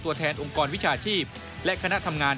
ตัวแทนองค์กรวิชาชีพและคณะทำงาน